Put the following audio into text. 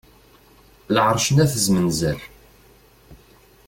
Lɛerc n At zmenzer.